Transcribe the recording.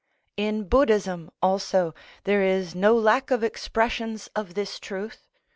In Buddhism also, there is no lack of expressions of this truth.